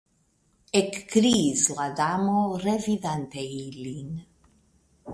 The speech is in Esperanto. Ekkriis la Damo, revidante ilin.